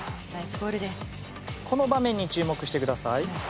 この場面に注目してください。